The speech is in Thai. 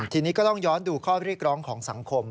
ทีนี้ก็ต้องย้อนดูข้อเรียกร้องของสังคม